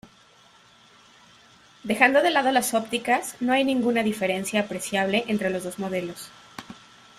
Dejando de lado las ópticas, no hay ninguna diferencia apreciable entre los dos modelos.